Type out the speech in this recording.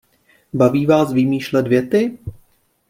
Baví vás vymýšlet věty?